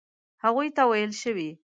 هغوی ته ویل شوي.